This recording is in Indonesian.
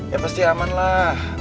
ya pasti aman lah